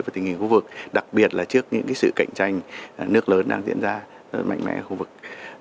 và tình hình khu vực đặc biệt là trước những sự cạnh tranh nước lớn đang diễn ra mạnh mẽ ở khu vực